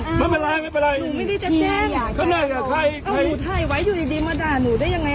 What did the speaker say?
อ้าวไม่เป็นไรไม่เป็นไรหนูไม่ได้จะแจ้งอ้าวหนูไทยไว้อยู่ดีมาด่าหนูได้ยังไงคะ